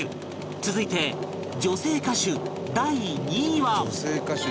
続いて女性歌手第２位は